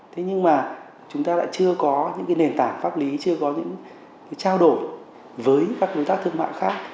thế nhưng mà chúng ta lại chưa có những nền tảng pháp lý chưa có những trao đổi với các đối tác thương mại khác